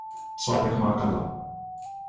Svátek má Kamila.